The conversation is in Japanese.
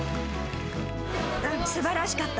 すばらしかった。